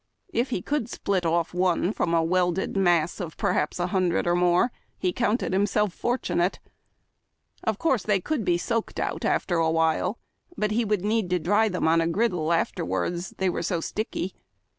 If he could split off one from a welded mass of perhaps a hundred or more, he counted himself fortunate. Of course they could be soaked out after a while, but he w^ould need to dry them on a griddle afterwards, they were so sticky.